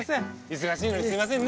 忙しいのにすいませんね。